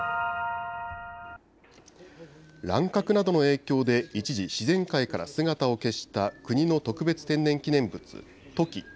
乱獲などの影響で一時、自然界から姿を消した国の特別天然記念物、トキ。